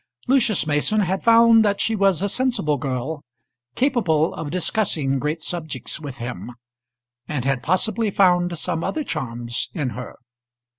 Lucius Mason had found that she was a sensible girl, capable of discussing great subjects with him; and had possibly found some other charms in her.